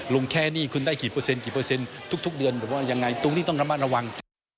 แค่หนี้คุณได้กี่เปอร์เซ็นกี่เปอร์เซ็นต์ทุกเดือนหรือว่ายังไงตรงนี้ต้องระมัดระวัง